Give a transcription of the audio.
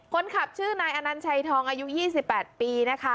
คนขับชื่อนายอนันท์ชัยทองอายุ๒๘ปี